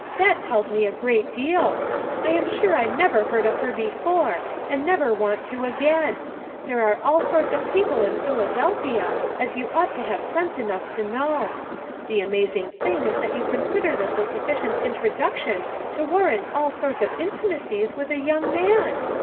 that tells me a great deal! I am sure I never heard of her before, and FOUR MOTH KKS AT CHAUTAUQUA 235 never wan! to again; there are all sorts of people in Philadelphia, as you ought to have Bouse enough to know. The amazing tiling is that you consider this a sufficient introduction to warrant all sorts of intimacies with a young man.